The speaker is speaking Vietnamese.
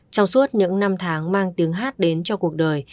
trong suốt những năm tháng mang tiếng hát đến cho cuộc đời